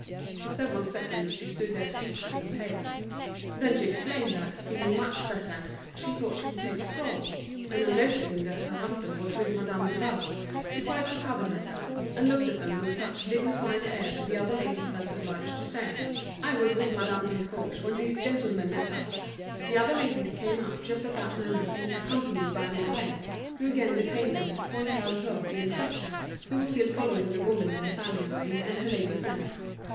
For several seconds she stood there speechless and pale. Then she explained that, feeling much better, she thought she would take a stroll. And on noticing that her husband was with Madame Guibal, she quite recovered herself, and looked at them with such a dignified air that the other lady felt obliged to say: "I was with Madame Desforges when these gentlemen met us." The other ladies came up just at that moment, accompanied by Mouret, who again detained them to point out Jouve the inspector, who was still following the woman in the family way and her lady friend.